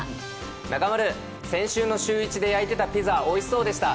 中丸、先週のシューイチで焼いてたピザおいしそうでした。